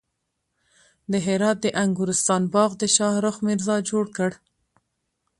د هرات د انګورستان باغ د شاهرخ میرزا جوړ کړ